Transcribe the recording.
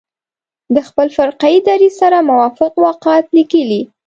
د خپل فرقه يي دریځ سره موافق واقعات لیکلي.